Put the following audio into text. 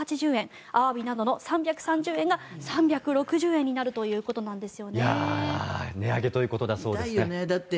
アワビなどの３３０円が３６０円になるということです。